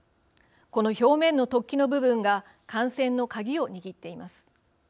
この表面の突起の部分が感染の鍵を握っています。